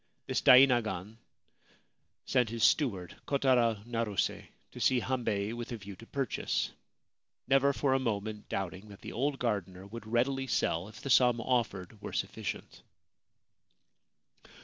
This dainagon sent his steward, Kotaro Naruse, to see Hambei with a view to purchase, never for a moment doubting that the old gardener would readily sell if the sum offered were sufficient.